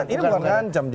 ini bukan ancam